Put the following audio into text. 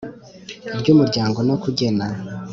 Ry Umuryango No Kugena